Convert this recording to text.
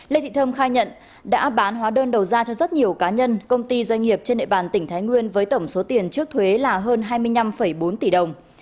lê thị thơm khai nhận đã bán hóa đơn đầu ra cho rất nhiều cá nhân công ty doanh nghiệp trên địa bàn tỉnh thái nguyên với tổng số tiền trước thuế là hơn hai mươi năm bốn tỷ đồng